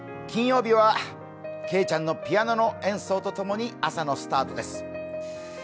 金曜日はけいちゃんのピアノの演奏とともに朝のスタートです。